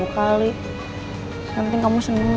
aku lihat terluka